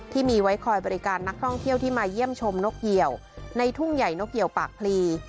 ที่มีไว้คอยบริการนักท่องเที่ยวที่มาเยี่ยมชมนกเหี่ยวในทุ่งใหญ่นกเหี่ยวปากพลี